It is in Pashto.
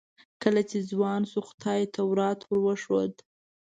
کله چې ځوان شو خدای تورات ور وښود.